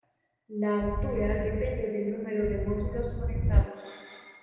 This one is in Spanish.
La altura depende del número de módulos conectados.